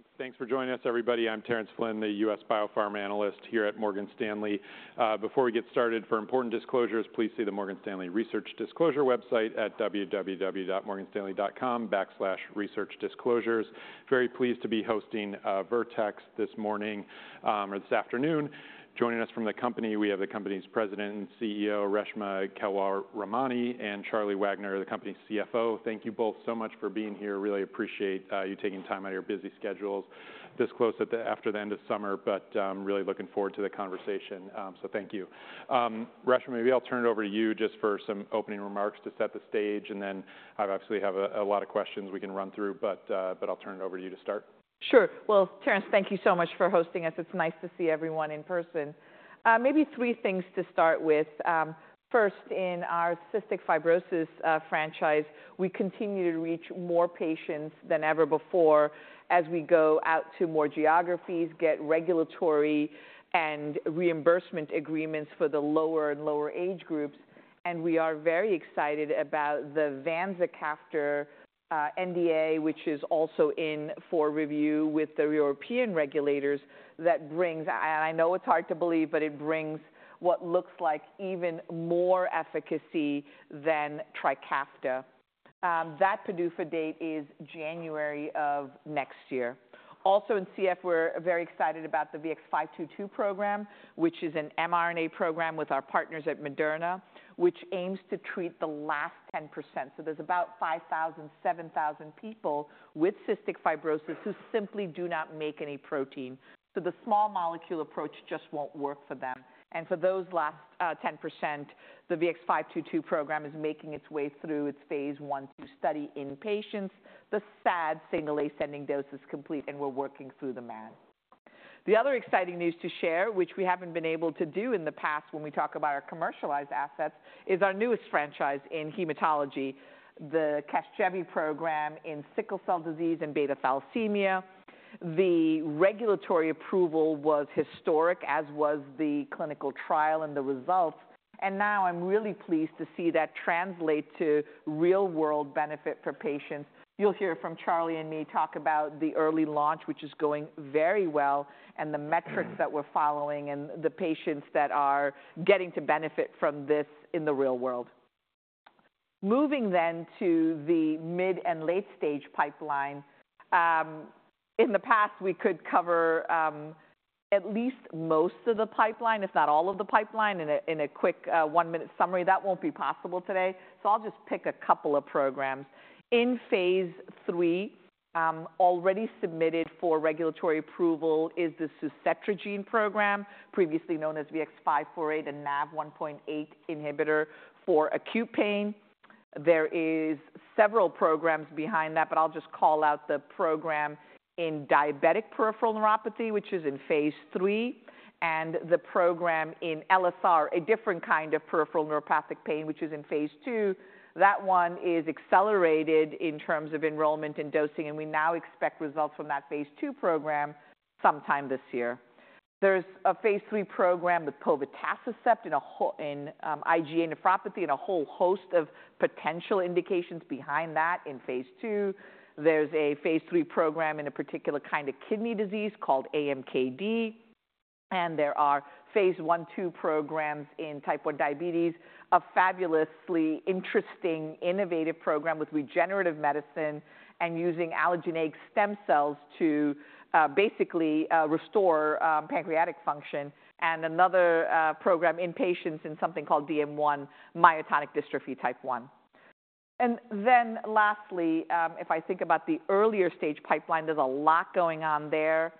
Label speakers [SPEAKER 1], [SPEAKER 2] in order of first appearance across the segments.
[SPEAKER 1] Thanks, thanks for joining us, everybody. I'm Terence Flynn, the U.S. Biopharm analyst here at Morgan Stanley. Before we get started, for important disclosures, please see the Morgan Stanley Research Disclosure website at www.morganstanley.com/researchdisclosures. Very pleased to be hosting Vertex this morning or this afternoon. Joining us from the company, we have the company's President and CEO, Reshma Kewalramani, and Charlie Wagner, the company's CFO. Thank you both so much for being here. Really appreciate you taking time out of your busy schedules this close to the end of summer, but really looking forward to the conversation. So thank you. Reshma, maybe I'll turn it over to you just for some opening remarks to set the stage, and then I obviously have a lot of questions we can run through, but I'll turn it over to you to start.
[SPEAKER 2] Sure. Well, Terence, thank you so much for hosting us. It's nice to see everyone in person. Maybe three things to start with. First, in our cystic fibrosis franchise, we continue to reach more patients than ever before as we go out to more geographies, get regulatory and reimbursement agreements for the lower and lower age groups. And we are very excited about the vanzacaftor NDA, which is also in for review with the European regulators. That brings... And I know it's hard to believe, but it brings what looks like even more efficacy than TRIKAFTA. That PDUFA date is January of next year. Also, in CF, we're very excited about the VX-522 program, which is an mRNA program with our partners at Moderna, which aims to treat the last 10%. There's about 5,000-7,000 people with cystic fibrosis who simply do not make any protein, so the small molecule approach just won't work for them. For those last 10%, the VX-522 program is making its way through its phase I/II study in patients. The SAD single-ascending dose is complete, and we're working through the MAD. The other exciting news to share, which we haven't been able to do in the past when we talk about our commercialized assets, is our newest franchise in hematology, the CASGEVY program in sickle cell disease and beta thalassemia. The regulatory approval was historic, as was the clinical trial and the results, and now I'm really pleased to see that translate to real-world benefit for patients. You'll hear from Charlie and me talk about the early launch, which is going very well, and the metrics-... that we're following and the patients that are getting to benefit from this in the real world. Moving then to the mid and late-stage pipeline. In the past, we could cover at least most of the pipeline, if not all of the pipeline, in a quick one-minute summary. That won't be possible today, so I'll just pick a couple of programs. In phase III, already submitted for regulatory approval is the suzetrigine program, previously known as VX-548, a NaV1.8 inhibitor for acute pain. There is several programs behind that, but I'll just call out the program in diabetic peripheral neuropathy, which is in phase III, and the program in LSR, a different kind of peripheral neuropathic pain, which is in phase II. That one is accelerated in terms of enrollment and dosing, and we now expect results from that phase II program sometime this year. There's a phase III program with Povetacicept in IgA nephropathy and a whole host of potential indications behind that in phase II. There's a phase III program in a particular kind of kidney disease called AMKD, and there are phase I, II programs in type 1 diabetes, a fabulously interesting, innovative program with regenerative medicine and using allogeneic stem cells to basically restore pancreatic function, and another program in patients in something called DM1, myotonic dystrophy type 1, and then lastly, if I think about the earlier stage pipeline, there's a lot going on there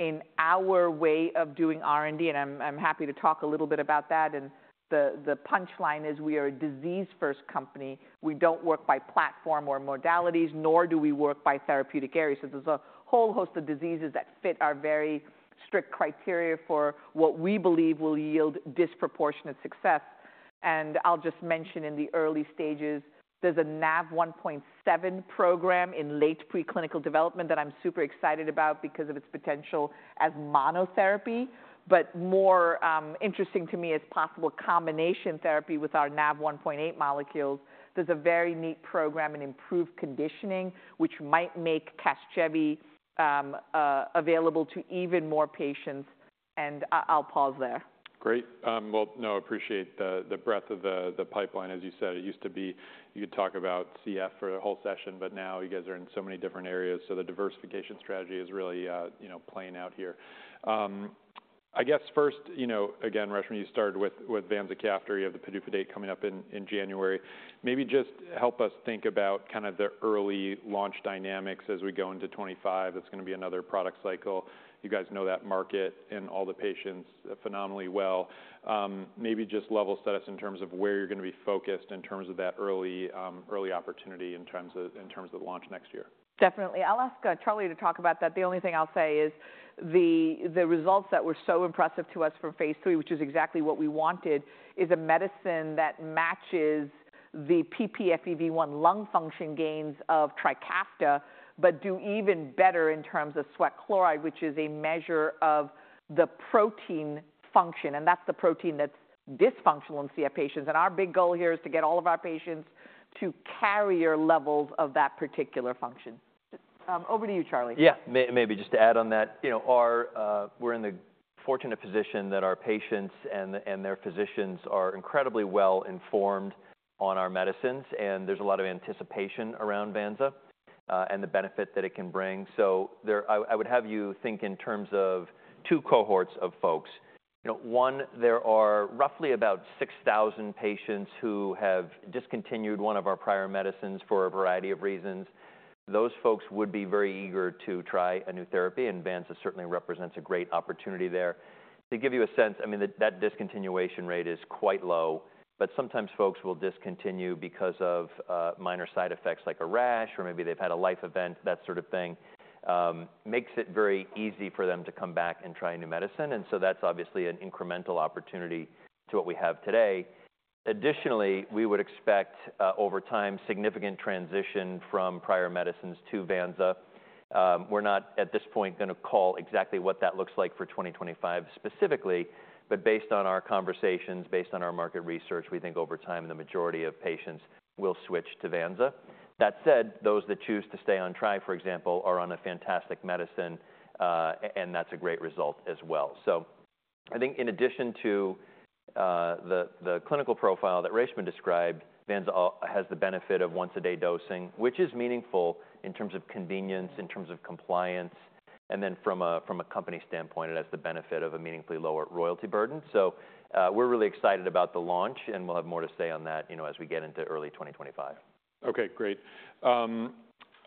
[SPEAKER 2] in our way of doing R&D, and I'm happy to talk a little bit about that. And the punchline is we are a disease-first company. We don't work by platform or modalities, nor do we work by therapeutic areas. So there's a whole host of diseases that fit our very strict criteria for what we believe will yield disproportionate success. And I'll just mention in the early stages, there's a NaV1.7 program in late preclinical development that I'm super excited about because of its potential as monotherapy. But more interesting to me is possible combination therapy with our NaV1.8 molecules. There's a very neat program in improved conditioning, which might make CASGEVY available to even more patients, and I'll pause there.
[SPEAKER 1] Great. Well, no, I appreciate the breadth of the pipeline. As you said, it used to be you'd talk about CF for a whole session, but now you guys are in so many different areas, so the diversification strategy is really, you know, playing out here. I guess first, you know, again, Reshma, you started with vanzacaftor. You have the PDUFA date coming up in January. Maybe just help us think about kind of the early launch dynamics as we go into 2025. It's gonna be another product cycle. You guys know that market and all the patients phenomenally well. Maybe just level set us in terms of where you're gonna be focused in terms of that early opportunity, in terms of the launch next year.
[SPEAKER 2] Definitely. I'll ask Charlie to talk about that. The only thing I'll say is the results that were so impressive to us from phase III, which is exactly what we wanted, is a medicine that matches the ppFEV1 lung function gains of TRIKAFTA, but do even better in terms of sweat chloride, which is a measure of the protein function, and that's the protein that's dysfunctional in CF patients. And our big goal here is to get all of our patients to carrier levels of that particular function. Over to you, Charlie.
[SPEAKER 3] Yeah. Maybe just to add on that, you know, our. We're in the fortunate position that our patients and the, and their physicians are incredibly well-informed on our medicines, and there's a lot of anticipation around vanza, and the benefit that it can bring. So I would have you think in terms of two cohorts of folks. You know, one, there are roughly about 6,000 patients who have discontinued one of our prior medicines for a variety of reasons. Those folks would be very eager to try a new therapy, and vanza certainly represents a great opportunity there. To give you a sense, I mean, that discontinuation rate is quite low, but sometimes folks will discontinue because of minor side effects, like a rash, or maybe they've had a life event, that sort of thing. Makes it very easy for them to come back and try a new medicine, and so that's obviously an incremental opportunity to what we have today. Additionally, we would expect, over time, significant transition from prior medicines to vanza. We're not, at this point, gonna call exactly what that looks like for 2025 specifically, but based on our conversations, based on our market research, we think over time, the majority of patients will switch to vanza. That said, those that choose to stay on Tri, for example, are on a fantastic medicine, and that's a great result as well. I think in addition to the clinical profile that Reshma described, vanza also has the benefit of once a day dosing, which is meaningful in terms of convenience, in terms of compliance, and then from a company standpoint, it has the benefit of a meaningfully lower royalty burden. We're really excited about the launch, and we'll have more to say on that, you know, as we get into early 2025.
[SPEAKER 1] Okay, great.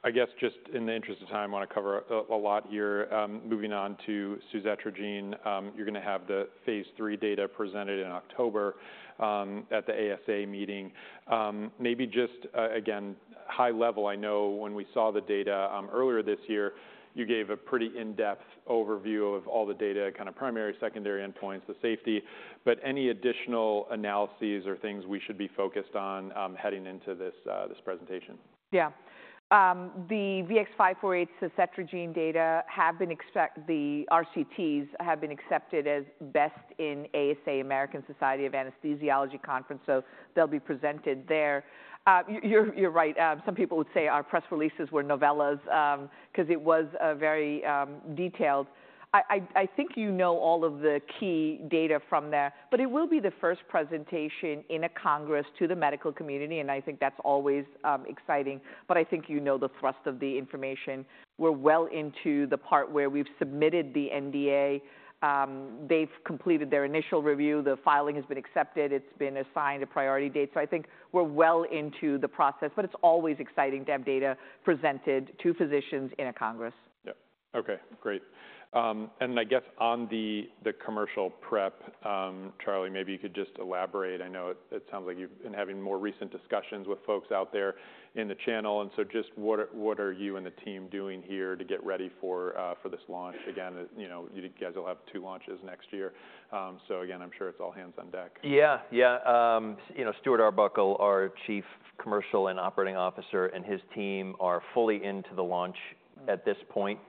[SPEAKER 1] I guess just in the interest of time, I wanna cover a lot here. Moving on to suzetrigine. You're gonna have the phase III data presented in October at the ASA meeting. Maybe just again, high level, I know when we saw the data earlier this year, you gave a pretty in-depth overview of all the data, kind of primary, secondary endpoints, the safety. But any additional analyses or things we should be focused on heading into this presentation?
[SPEAKER 2] Yeah. The VX-548 suzetrigine data have been accepted. The RCTs have been accepted as best in ASA, American Society of Anesthesiologists conference, so they'll be presented there. You're right. Some people would say our press releases were novellas, 'cause it was very detailed. I think you know all of the key data from there, but it will be the first presentation in a congress to the medical community, and I think that's always exciting, but I think you know the thrust of the information. We're well into the part where we've submitted the NDA. They've completed their initial review, the filing has been accepted, it's been assigned a priority date, so I think we're well into the process, but it's always exciting to have data presented to physicians in a congress.
[SPEAKER 1] Yeah. Okay, great, and I guess on the commercial prep, Charlie, maybe you could just elaborate. I know it sounds like you've been having more recent discussions with folks out there in the channel, and so just what are you and the team doing here to get ready for this launch? Again, you know, you guys will have two launches next year, so again, I'm sure it's all hands on deck.
[SPEAKER 3] Yeah. Yeah, you know, Stuart Arbuckle, our Chief Commercial and Operating Officer, and his team are fully into the launch at this point.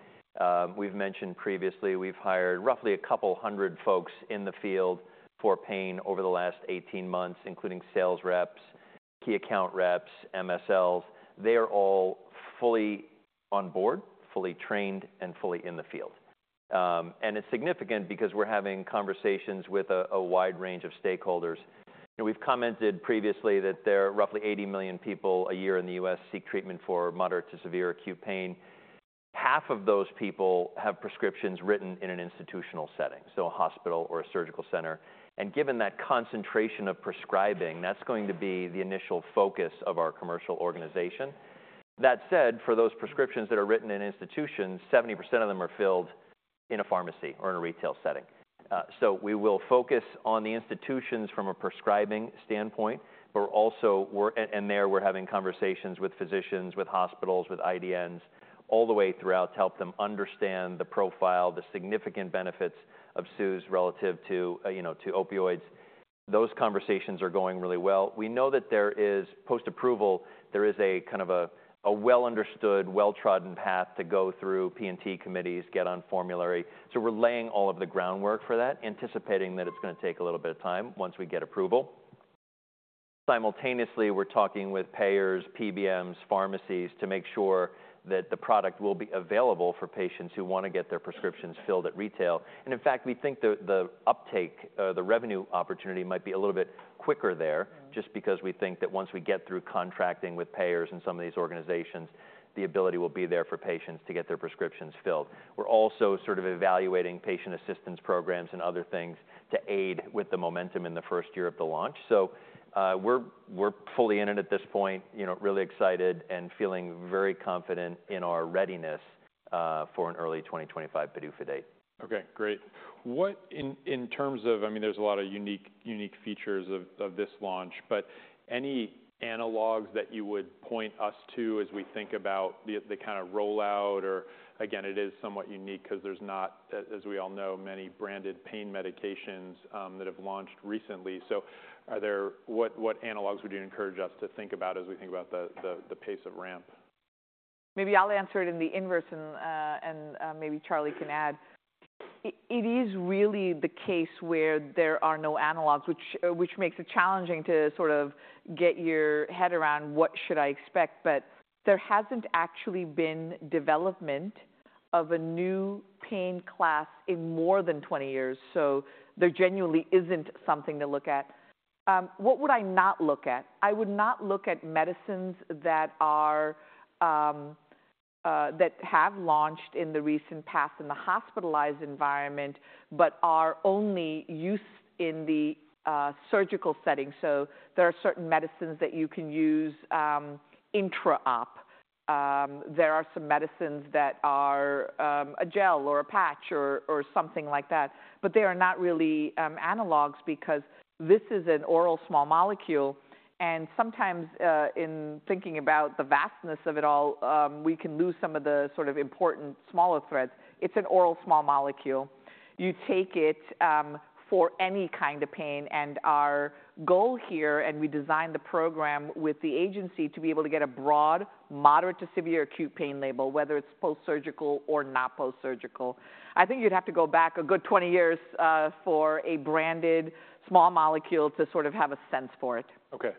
[SPEAKER 3] We've mentioned previously, we've hired roughly a couple hundred folks in the field for pain over the last 18 months, including sales reps, key account reps, MSLs. They are all fully on board, fully trained, and fully in the field. And it's significant because we're having conversations with a wide range of stakeholders. You know, we've commented previously that there are roughly 80 million people a year in the U.S. seek treatment for moderate to severe acute pain. Half of those people have prescriptions written in an institutional setting, so a hospital or a surgical center, and given that concentration of prescribing, that's going to be the initial focus of our commercial organization. That said, for those prescriptions that are written in institutions, 70% of them are filled in a pharmacy or in a retail setting, so we will focus on the institutions from a prescribing standpoint, but we're also working, and there, we're having conversations with physicians, with hospitals, with IDNs, all the way throughout, to help them understand the profile, the significant benefits of suz relative to, you know, to opioids. Those conversations are going really well. We know that there is post-approval, there is a kind of a well-understood, well-trodden path to go through P&T committees, get on formulary, so we're laying all of the groundwork for that, anticipating that it's gonna take a little bit of time once we get approval. Simultaneously, we're talking with payers, PBMs, pharmacies, to make sure that the product will be available for patients who wanna get their prescriptions filled at retail. And in fact, we think the uptake, the revenue opportunity might be a little bit quicker there. Just because we think that once we get through contracting with payers and some of these organizations, the ability will be there for patients to get their prescriptions filled. We're also sort of evaluating patient assistance programs and other things to aid with the momentum in the first year of the launch. So, we're fully in it at this point, you know, really excited and feeling very confident in our readiness for an early 2025 PDUFA date.
[SPEAKER 1] Okay, great. What in terms of... I mean, there's a lot of unique features of this launch, but any analogs that you would point us to as we think about the kind of rollout or, again, it is somewhat unique 'cause there's not, as we all know, many branded pain medications that have launched recently. So are there-- what analogs would you encourage us to think about as we think about the pace of ramp?
[SPEAKER 2] Maybe I'll answer it in the inverse and maybe Charlie can add. It is really the case where there are no analogs, which makes it challenging to sort of get your head around, What should I expect? But there hasn't actually been development of a new pain class in more than 20 years, so there genuinely isn't something to look at. What would I not look at? I would not look at medicines that have launched in the recent past in the hospitalized environment, but are only used in the surgical setting. So there are certain medicines that you can use intra-op. There are some medicines that are a gel or a patch or something like that, but they are not really analogs because this is an oral small molecule, and sometimes in thinking about the vastness of it all, we can lose some of the sort of important smaller threads. It's an oral small molecule. You take it for any kind of pain, and our goal here, and we designed the program with the agency, to be able to get a broad, moderate to severe acute pain label, whether it's post-surgical or not post-surgical. I think you'd have to go back a good 20 years for a branded small molecule to sort of have a sense for it.
[SPEAKER 1] Okay.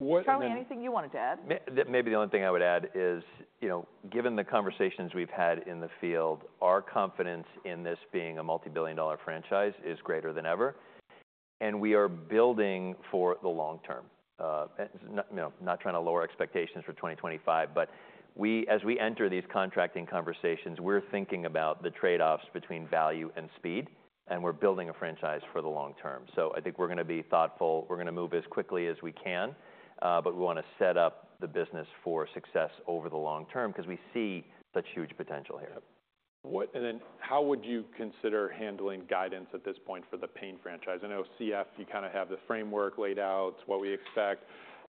[SPEAKER 1] What-
[SPEAKER 2] Charlie, anything you wanted to add?
[SPEAKER 3] Maybe the only thing I would add is, you know, given the conversations we've had in the field, our confidence in this being a multi-billion dollar franchise is greater than ever, and we are building for the long term. You know, not trying to lower expectations for 2025, but as we enter these contracting conversations, we're thinking about the trade-offs between value and speed, and we're building a franchise for the long term. So I think we're gonna be thoughtful. We're gonna move as quickly as we can, but we wanna set up the business for success over the long term because we see such huge potential here.
[SPEAKER 1] Yep. And then how would you consider handling guidance at this point for the pain franchise? I know CF, you kind of have the framework laid out, what we expect.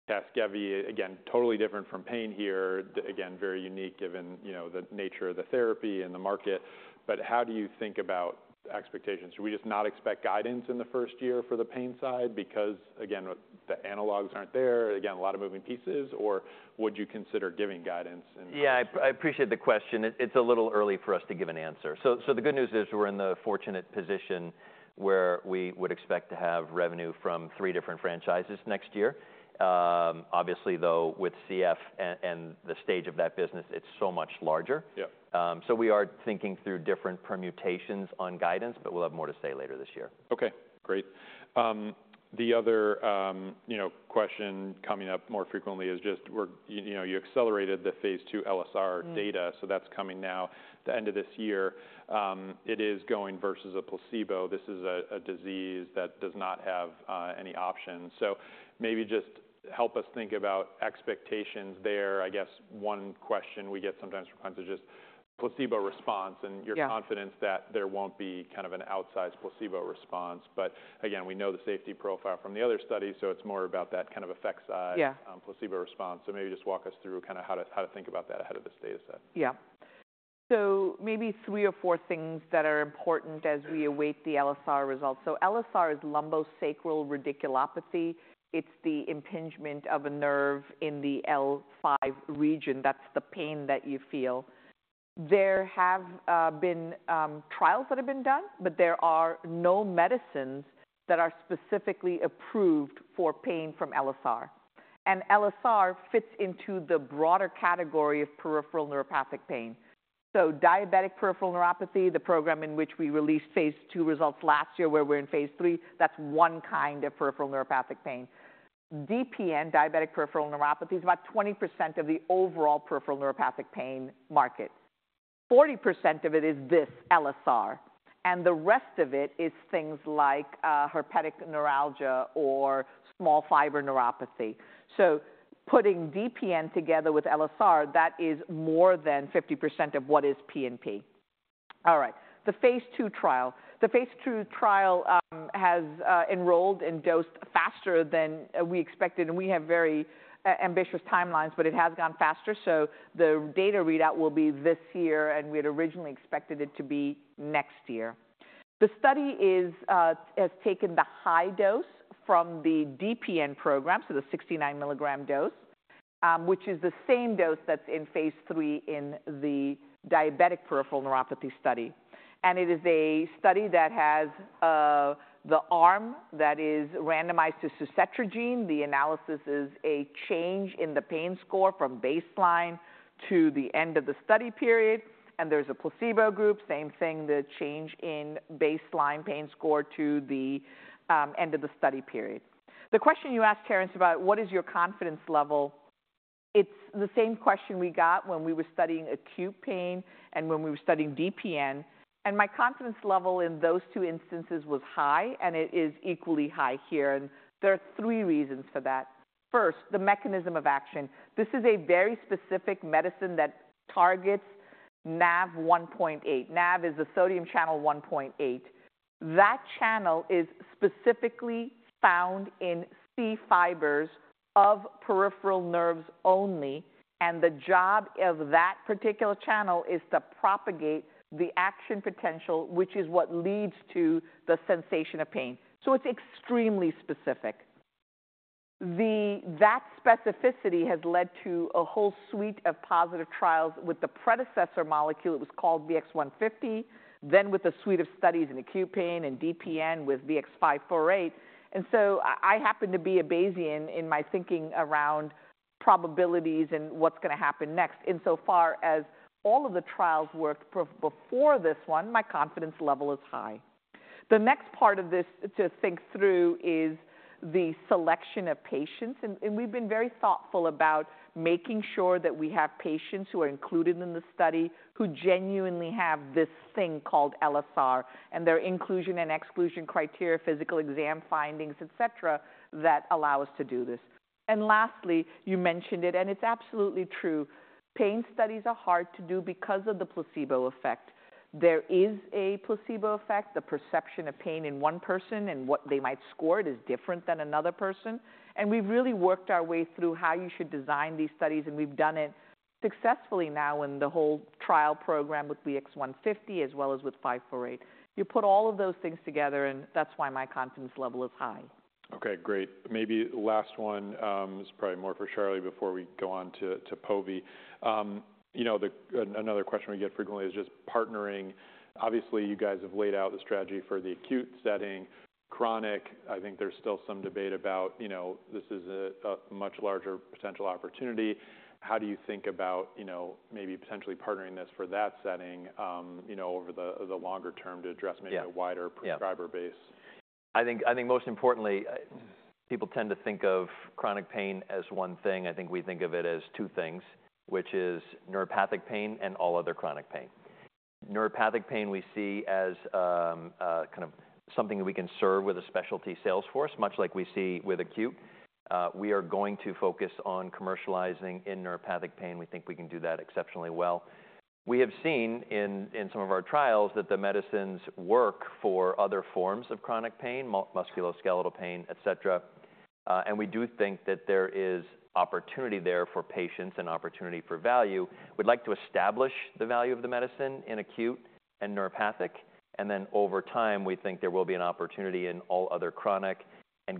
[SPEAKER 1] CASGEVY, again, totally different from pain here. Again, very unique, given, you know, the nature of the therapy and the market. But how do you think about expectations? Should we just not expect guidance in the first year for the pain side? Because, again, the analogs aren't there. Again, a lot of moving pieces, or would you consider giving guidance in?
[SPEAKER 3] Yeah, I appreciate the question. It's a little early for us to give an answer. So the good news is we're in the fortunate position where we would expect to have revenue from three different franchises next year. Obviously, though, with CF and the stage of that business, it's so much larger.
[SPEAKER 1] Yeah.
[SPEAKER 3] We are thinking through different permutations on guidance, but we'll have more to say later this year.
[SPEAKER 1] Okay, great. The other, you know, question coming up more frequently is just where, you know, you accelerated the phase II LSR data.
[SPEAKER 2] Mm.
[SPEAKER 1] So that's coming now, the end of this year. It is going versus a placebo. This is a disease that does not have any options. So maybe just help us think about expectations there. I guess one question we get sometimes from patients is just placebo response.
[SPEAKER 2] Yeah...
[SPEAKER 1] and your confidence that there won't be kind of an outsized placebo response. But again, we know the safety profile from the other studies, so it's more about that kind of effect size-
[SPEAKER 2] Yeah...
[SPEAKER 1] placebo response. So maybe just walk us through kind of how to think about that ahead of this data set.
[SPEAKER 2] Yeah. So maybe three or four things that are important- As we await the LSR results. So LSR is lumbosacral radiculopathy. It's the impingement of a nerve in the L5 region. That's the pain that you feel. There have been trials that have been done, but there are no medicines that are specifically approved for pain from LSR. And LSR fits into the broader category of peripheral neuropathic pain. So diabetic peripheral neuropathy, the program in which we released phase II results last year, where we're in phase III, that's one kind of peripheral neuropathic pain. DPN, diabetic peripheral neuropathy, is about 20% of the overall peripheral neuropathic pain market. 40% of it is this, LSR, and the rest of it is things like herpetic neuralgia or small fiber neuropathy. So putting DPN together with LSR, that is more than 50% of what is PNP. All right, the phase II trial. The phase II trial has enrolled and dosed faster than we expected, and we have very ambitious timelines, but it has gone faster, so the data readout will be this year, and we had originally expected it to be next year. The study has taken the high dose from the DPN program, so the 69 milligram dose, which is the same dose that's in phase III in the diabetic peripheral neuropathy study. It is a study that has the arm that is randomized to suzetrigine. The analysis is a change in the pain score from baseline to the end of the study period, and there's a placebo group. Same thing, the change in baseline pain score to the end of the study period. The question you asked, Terence, about what is your confidence level? It's the same question we got when we were studying acute pain and when we were studying DPN, and my confidence level in those two instances was high, and it is equally high here, and there are three reasons for that. First, the mechanism of action. This is a very specific medicine that targets NaV1.8. NaV is the sodium channel 1.8. That channel is specifically found in C fibers of peripheral nerves only, and the job of that particular channel is to propagate the action potential, which is what leads to the sensation of pain. So it's extremely specific. That specificity has led to a whole suite of positive trials with the predecessor molecule. It was called VX-150, then with a suite of studies in acute pain and DPN with VX-548. I happen to be a Bayesian in my thinking around probabilities and what's gonna happen next. In so far as all of the trials worked before this one, my confidence level is high. The next part of this to think through is the selection of patients, and we've been very thoughtful about making sure that we have patients who are included in the study who genuinely have this thing called LSR, and their inclusion and exclusion criteria, physical exam findings, et cetera, that allow us to do this. Lastly, you mentioned it, and it's absolutely true, pain studies are hard to do because of the placebo effect. There is a placebo effect. The perception of pain in one person and what they might score it is different than another person. We've really worked our way through how you should design these studies, and we've done it successfully now in the whole trial program with VX-150 as well as with VX-548. You put all of those things together, and that's why my confidence level is high.
[SPEAKER 1] Okay, great. Maybe last one, it's probably more for Charlie before we go on to Pove. You know, then another question we get frequently is just partnering. Obviously, you guys have laid out the strategy for the acute setting. Chronic, I think there's still some debate about, you know, this is a much larger potential opportunity. How do you think about, you know, maybe potentially partnering this for that setting, you know, over the longer term to address-
[SPEAKER 3] Yeah...
[SPEAKER 1] maybe a wider prescriber base?
[SPEAKER 3] I think most importantly, people tend to think of chronic pain as one thing. I think we think of it as two things, which is neuropathic pain and all other chronic pain. Neuropathic pain we see as, kind of something we can serve with a specialty sales force, much like we see with acute. We are going to focus on commercializing in neuropathic pain. We think we can do that exceptionally well. We have seen in some of our trials that the medicines work for other forms of chronic pain, musculoskeletal pain, et cetera, and we do think that there is opportunity there for patients and opportunity for value. We'd like to establish the value of the medicine in acute and neuropathic, and then over time, we think there will be an opportunity in all other chronic.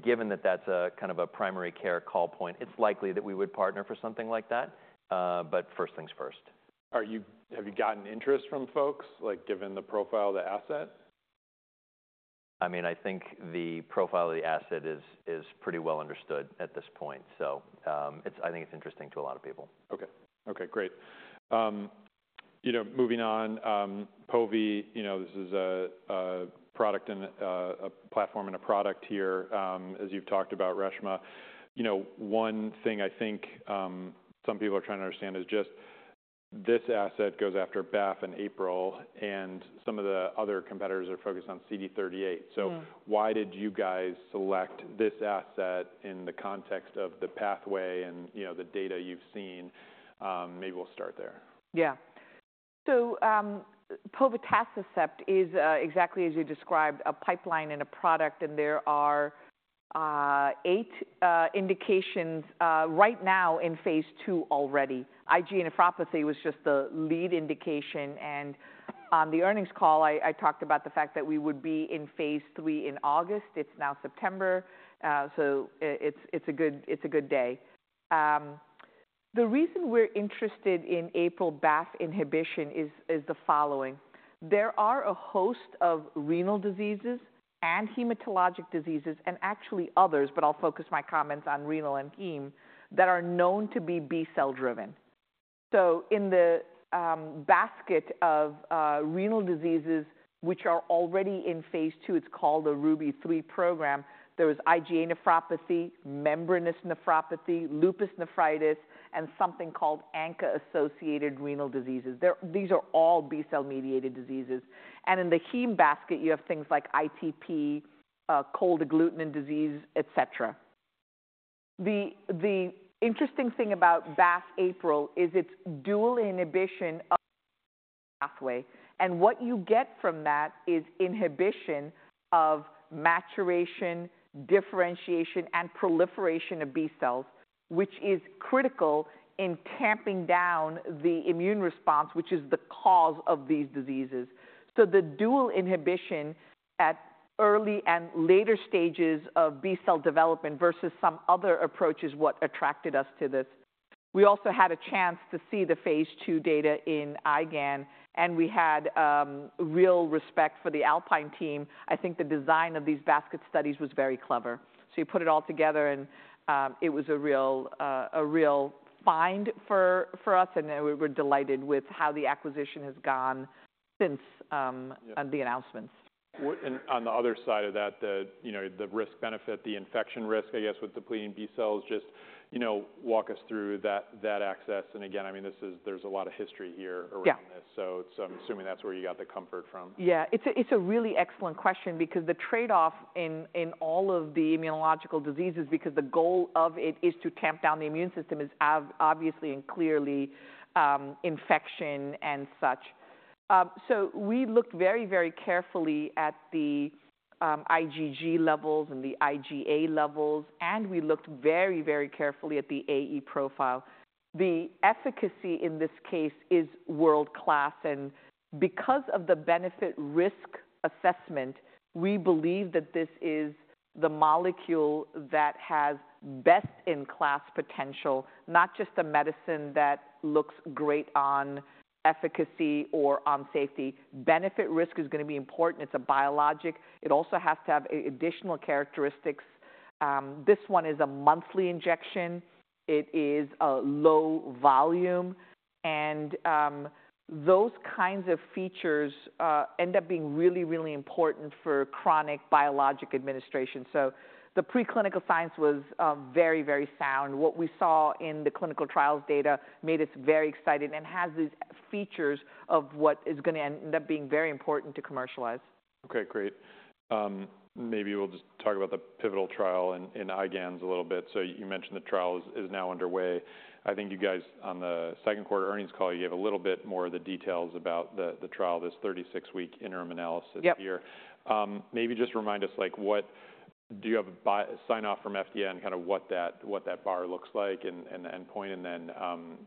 [SPEAKER 3] Given that that's a kind of a primary care call point, it's likely that we would partner for something like that, but first things first.
[SPEAKER 1] Have you gotten interest from folks, like, given the profile of the asset?
[SPEAKER 3] I mean, I think the profile of the asset is pretty well understood at this point, so, it's... I think it's interesting to a lot of people.
[SPEAKER 1] Okay. Okay, great. You know, moving on, Pove, you know, this is a product and a platform and a product here, as you've talked about, Reshma. You know, one thing I think some people are trying to understand is just this asset goes after BAFF and APRIL, and some of the other competitors are focused on CD38.
[SPEAKER 2] Mm-hmm.
[SPEAKER 1] So why did you guys select this asset in the context of the pathway and, you know, the data you've seen? Maybe we'll start there.
[SPEAKER 2] Yeah. So, Povetacicept is exactly as you described, a pipeline and a product, and there are eight indications right now in phase II already. IgA nephropathy was just the lead indication, and on the earnings call, I talked about the fact that we would be in phase III in August. It's now September, so it's a good day. The reason we're interested in APRIL/BAFF inhibition is the following: there are a host of renal diseases and hematologic diseases and actually others, but I'll focus my comments on renal and heme, that are known to be B-cell driven. So in the basket of renal diseases, which are already in phase II, it's called the RUBY-3 program. There was IgA nephropathy, membranous nephropathy, lupus nephritis, and something called ANCA-associated renal diseases. These are all B-cell mediated diseases. And in the heme basket, you have things like ITP, cold agglutinin disease, et cetera. The interesting thing about BAFF/APRIL is its dual inhibition of pathway, and what you get from that is inhibition of maturation, differentiation, and proliferation of B-cells, which is critical in tamping down the immune response, which is the cause of these diseases. So the dual inhibition at early and later stages of B-cell development versus some other approach is what attracted us to this. We also had a chance to see the phase II data in IgAN, and we had real respect for the Alpine team. I think the design of these basket studies was very clever. So you put it all together and it was a real find for us, and we're delighted with how the acquisition has gone since.
[SPEAKER 1] Yeah...
[SPEAKER 2] the announcements.
[SPEAKER 1] and on the other side of that, the, you know, the risk-benefit, the infection risk, I guess, with depleting B cells, just, you know, walk us through that, that aspect. And again, I mean, this is, there's a lot of history here.
[SPEAKER 2] Yeah
[SPEAKER 1] Around this, so I'm assuming that's where you got the comfort from.
[SPEAKER 2] Yeah. It's a, it's a really excellent question because the trade-off in, in all of the immunological diseases, because the goal of it is to tamp down the immune system, is obviously and clearly, infection and such. So we looked very, very carefully at the IgG levels and the IgA levels, and we looked very, very carefully at the AE profile. The efficacy in this case is world-class, and because of the benefit-risk assessment, we believe that this is the molecule that has best-in-class potential, not just a medicine that looks great on efficacy or on safety. Benefit-risk is gonna be important. It's a biologic. It also has to have additional characteristics. This one is a monthly injection. It is a low volume, and those kinds of features end up being really, really important for chronic biologic administration. The preclinical science was very, very sound. What we saw in the clinical trials data made us very excited and has these features of what is gonna end up being very important to commercialize.
[SPEAKER 1] Okay, great. Maybe we'll just talk about the pivotal trial in IgAN a little bit. So you mentioned the trial is now underway. I think you guys, on the second quarter earnings call, you gave a little bit more of the details about the trial, this 36 week interim analysis-
[SPEAKER 2] Yep
[SPEAKER 1] -year. Maybe just remind us, like, what-- do you have a buy-in sign off from FDA on kind of what that bar looks like and the endpoint and then,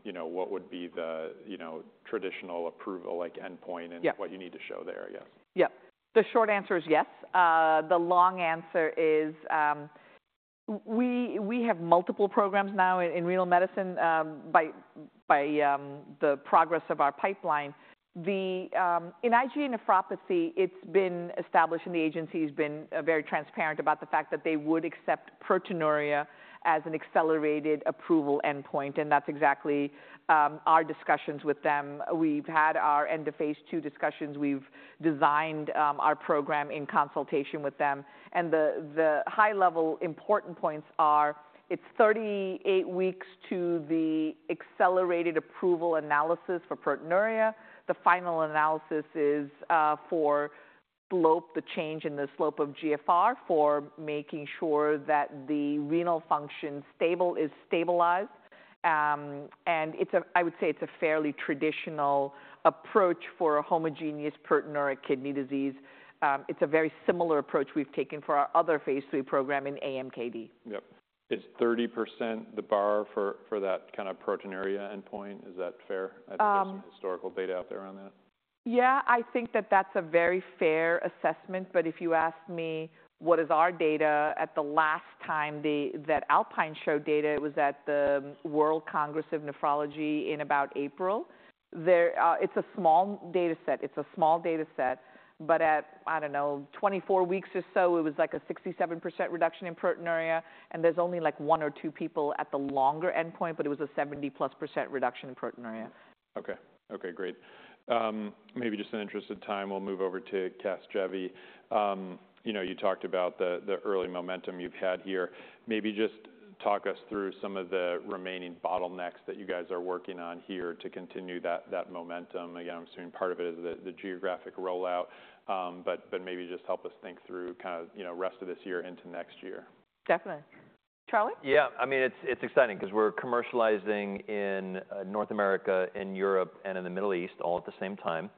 [SPEAKER 1] you know, what would be the, you know, traditional approval, like, endpoint-
[SPEAKER 2] Yeah
[SPEAKER 1] -and what you need to show there, I guess?
[SPEAKER 2] Yeah. The short answer is yes. The long answer is, we have multiple programs now in renal medicine by the progress of our pipeline. The in IgA nephropathy, it's been established, and the agency's been very transparent about the fact that they would accept proteinuria as an accelerated approval endpoint, and that's exactly our discussions with them. We've had our end-of-phase II discussions. We've designed our program in consultation with them, and the high-level important points are it's 38 weeks to the accelerated approval analysis for proteinuria. The final analysis is for slope, the change in the slope of GFR, for making sure that the renal function stable is stabilized. And it's a fairly traditional approach for a homogeneous proteinuria kidney disease. It's a very similar approach we've taken for our other phase III program in AMKD.
[SPEAKER 1] Yep. Is 30% the bar for that kind of proteinuria endpoint, is that fair?
[SPEAKER 2] Um-
[SPEAKER 1] I think there's some historical data out there on that.
[SPEAKER 2] Yeah, I think that that's a very fair assessment, but if you ask me what is our data at the last time that Alpine showed data, it was at the World Congress of Nephrology in about April. There. It's a small data set, but at, I don't know, 24 weeks or so, it was like a 67% reduction in proteinuria, and there's only, like, one or two people at the longer endpoint, but it was a 70%+ reduction in proteinuria.
[SPEAKER 1] Okay. Okay, great. Maybe just in the interest of time, we'll move over to CASGEVY. You know, you talked about the early momentum you've had here. Maybe just talk us through some of the remaining bottlenecks that you guys are working on here to continue that momentum. Again, I'm assuming part of it is the geographic rollout, but maybe just help us think through kind of, you know, rest of this year into next year.
[SPEAKER 2] Definitely. Charlie?
[SPEAKER 3] Yeah. I mean, it's exciting 'cause we're commercializing in North America, in Europe, and in the Middle East, all at the same time.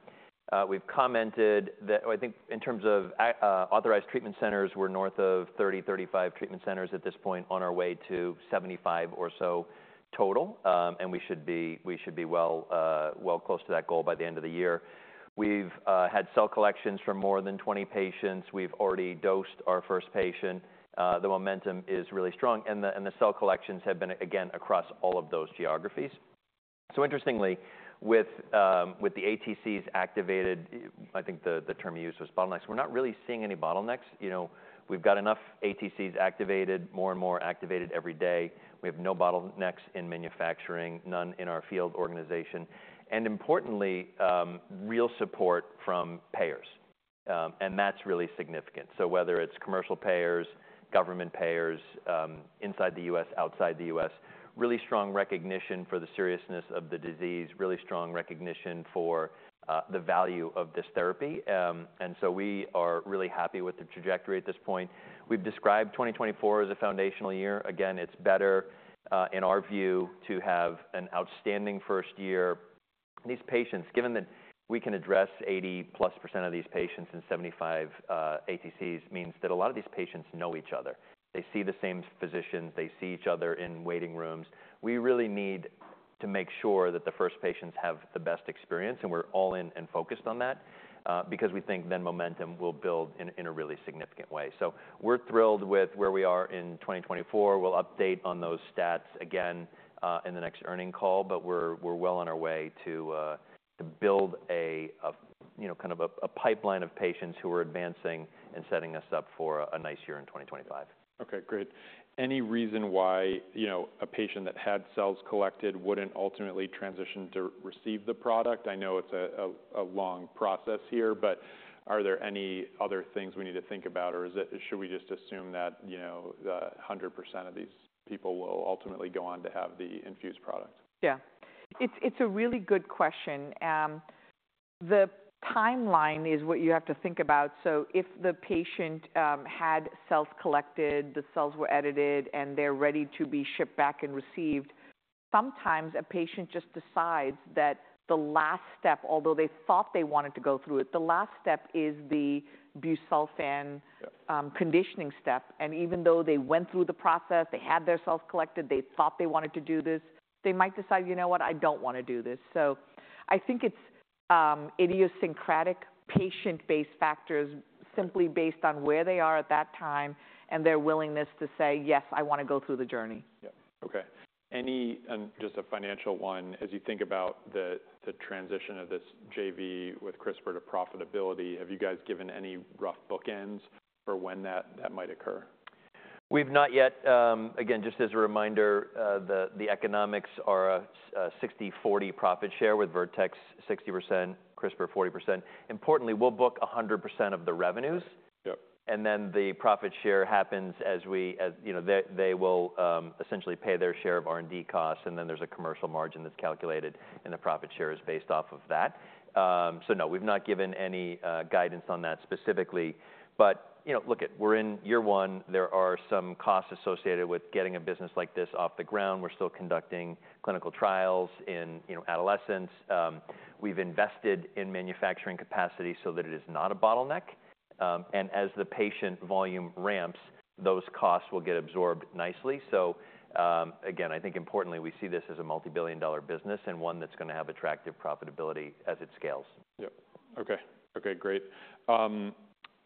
[SPEAKER 3] We've commented that. I think in terms of authorized treatment centers, we're north of 30-35 treatment centers at this point, on our way to 75 or so total. And we should be well close to that goal by the end of the year. We've had cell collections from more than 20 patients. We've already dosed our first patient. The momentum is really strong, and the cell collections have been, again, across all of those geographies. So interestingly, with the ATCs activated, I think the term you used was bottlenecks. We're not really seeing any bottlenecks. You know, we've got enough ATCs activated, more and more activated every day. We have no bottlenecks in manufacturing, none in our field organization, and importantly, real support from payers, and that's really significant, so whether it's commercial payers, government payers, inside the U.S., outside the U.S., really strong recognition for the seriousness of the disease, really strong recognition for the value of this therapy, and so we are really happy with the trajectory at this point. We've described 2024 as a foundational year. Again, it's better, in our view, to have an outstanding first year. These patients, given that we can address 80%+ of these patients in 75 ATCs, means that a lot of these patients know each other. They see the same physicians. They see each other in waiting rooms. We really need to make sure that the first patients have the best experience, and we're all in and focused on that, because we think then momentum will build in a really significant way. So we're thrilled with where we are in 2024. We'll update on those stats again in the next earnings call, but we're well on our way to build a, you know, kind of a pipeline of patients who are advancing and setting us up for a nice year in 2025.
[SPEAKER 1] Okay, great. Any reason why, you know, a patient that had cells collected wouldn't ultimately transition to receive the product? I know it's a long process here, but are there any other things we need to think about, or is it, should we just assume that, you know, 100% of these people will ultimately go on to have the infused product?
[SPEAKER 2] Yeah. It's a really good question. The timeline is what you have to think about. So if the patient had cells collected, the cells were edited, and they're ready to be shipped back and received, sometimes a patient just decides that the last step, although they thought they wanted to go through it, the last step is the busulfan-
[SPEAKER 1] Yep...
[SPEAKER 2] conditioning step, and even though they went through the process, they had their cells collected, they thought they wanted to do this, they might decide, "You know what? I don't wanna do this." So I think it's idiosyncratic, patient-based factors, simply based on where they are at that time and their willingness to say, "Yes, I wanna go through the journey.
[SPEAKER 1] Yep. Okay. Any, just a financial one, as you think about the transition of this JV with CRISPR to profitability, have you guys given any rough bookends for when that might occur?
[SPEAKER 3] We've not yet. Again, just as a reminder, the economics are a 60/40 profit share, with Vertex 60%, CRISPR 40%. Importantly, we'll book 100% of the revenues.
[SPEAKER 1] Yep.
[SPEAKER 3] And then the profit share happens as you know they will essentially pay their share of R&D costs, and then there's a commercial margin that's calculated, and the profit share is based off of that. So no, we've not given any guidance on that specifically. But you know look it, we're in year one. There are some costs associated with getting a business like this off the ground. We're still conducting clinical trials in you know adolescents. We've invested in manufacturing capacity so that it is not a bottleneck. And as the patient volume ramps, those costs will get absorbed nicely. So again, I think importantly, we see this as a multi-billion dollar business and one that's gonna have attractive profitability as it scales.
[SPEAKER 1] Yep. Okay. Okay, great. I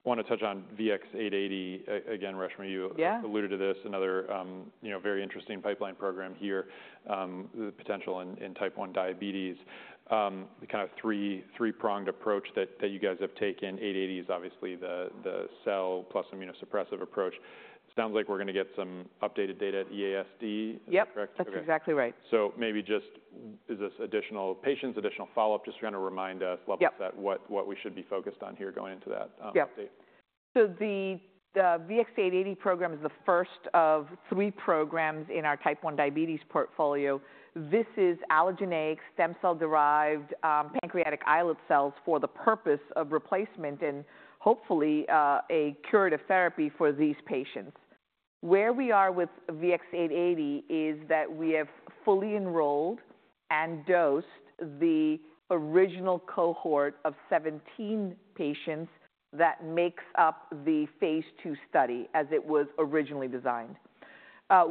[SPEAKER 1] want to touch on VX-880. Again, Reshma-
[SPEAKER 2] Yeah...
[SPEAKER 1] you alluded to this, another, you know, very interesting pipeline program here, the potential in type 1 diabetes. The kind of three-pronged approach that you guys have taken, VX-880 is obviously the cell plus immunosuppressive approach. Sounds like we're gonna get some updated data at EASD.
[SPEAKER 2] Yep.
[SPEAKER 1] Is that correct?
[SPEAKER 2] That's exactly right.
[SPEAKER 1] So, maybe just, is this additional patients, additional follow-up? Just kind of remind us-
[SPEAKER 2] Yep...
[SPEAKER 1] level set, what, what we should be focused on here going into that, update.
[SPEAKER 2] Yep. So the VX-880 program is the first of three programs in our type 1 diabetes portfolio. This is allogeneic stem cell-derived pancreatic islet cells for the purpose of replacement and hopefully a curative therapy for these patients. Where we are with VX-880 is that we have fully enrolled and dosed the original cohort of 17 patients that makes up the phase II study as it was originally designed.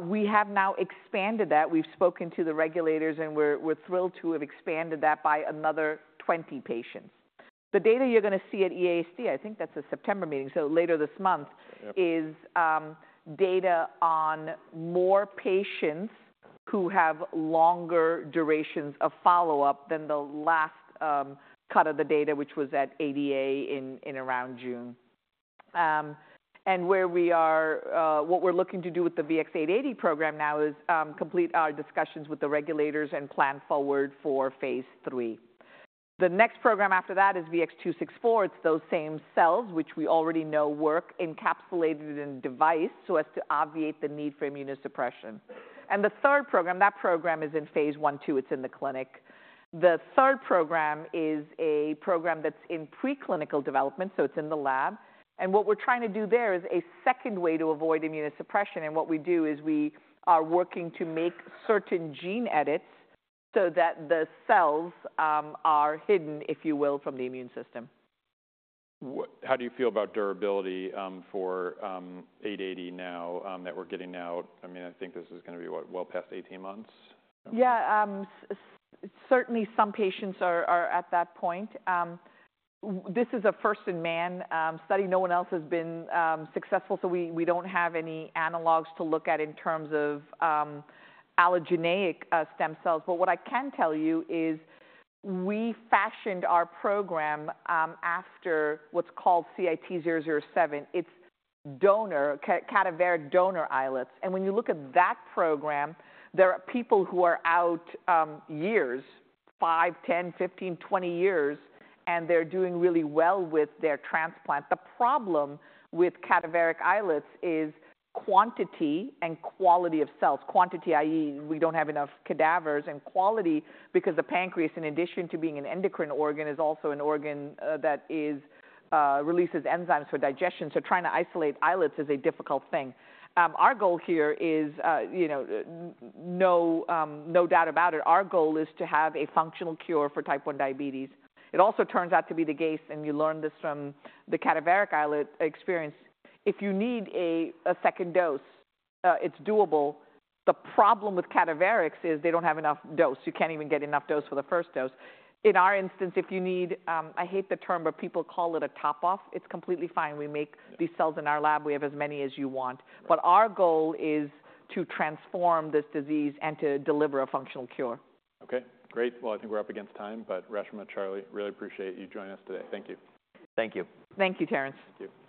[SPEAKER 2] We have now expanded that. We've spoken to the regulators, and we're thrilled to have expanded that by another 20 patients. The data you're gonna see at EASD. I think that's a September meeting, so later this month-
[SPEAKER 1] Yep...
[SPEAKER 2] is data on more patients who have longer durations of follow-up than the last cut of the data, which was at ADA in around June, and where we are, what we're looking to do with the VX-880 program now is complete our discussions with the regulators and plan forward for phase III. The next program after that is VX-264. It's those same cells, which we already know work, encapsulated in a device, so as to obviate the need for immunosuppression. And the third program, that program is in phase I/II, it's in the clinic. The third program is a program that's in preclinical development, so it's in the lab, and what we're trying to do there is a second way to avoid immunosuppression. And what we do is we are working to make certain gene edits so that the cells are hidden, if you will, from the immune system.
[SPEAKER 1] What? How do you feel about durability for VX-880 now that we're getting now? I mean, I think this is gonna be, what? Well past 18 months.
[SPEAKER 2] Yeah, certainly some patients are, are at that point. This is a first in man study. No one else has been successful, so we, we don't have any analogues to look at in terms of allogeneic stem cells. But what I can tell you is we fashioned our program after what's called CIT-007. It's donor cadaveric donor islets. And when you look at that program, there are people who are out years, five, 10, 15, 20 years, and they're doing really well with their transplant. The problem with cadaveric islets is quantity and quality of cells. Quantity, i.e., we don't have enough cadavers, and quality, because the pancreas, in addition to being an endocrine organ, is also an organ that releases enzymes for digestion. So trying to isolate islets is a difficult thing. Our goal here is, you know, no doubt about it. Our goal is to have a functional cure for type 1 diabetes. It also turns out to be the case, and we learned this from the cadaveric islet experience, if you need a second dose, it's doable. The problem with cadaverics is they don't have enough dose. You can't even get enough dose for the first dose. In our instance, if you need, I hate the term, but people call it a top off, it's completely fine. We make these cells in our lab. We have as many as you want. But our goal is to transform this disease and to deliver a functional cure.
[SPEAKER 1] Okay, great. Well, I think we're up against time, but Reshma and Charlie, really appreciate you joining us today. Thank you.
[SPEAKER 3] Thank you.
[SPEAKER 2] Thank you, Terence.
[SPEAKER 1] Thank you.